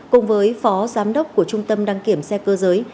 cùng với phó giám đốc của trung tâm đăng kiểm xe cơ giới